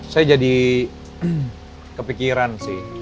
saya jadi kepikiran sih